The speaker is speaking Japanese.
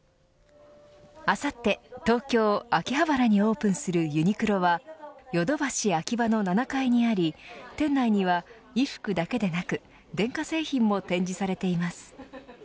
あさって、東京、秋葉原にオープンするユニクロはヨドバシＡｋｉｂａの７階にあり店内には衣服だけでなく電化製品も展示されています。